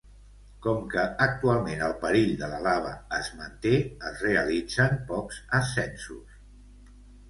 Com que actualment el perill de la lava es manté, es realitzen pocs ascensos.